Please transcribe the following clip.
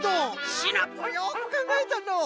シナプーよくかんがえたのう。